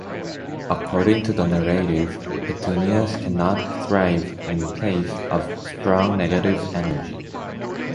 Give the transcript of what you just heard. According to the narrative, petunias can not thrive in place of strong negative energy.